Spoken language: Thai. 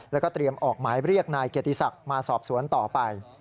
แล้วก็เตรียมออกหมายเรียกนายเกียรติศักดิ์มาสอบสวนต่อไป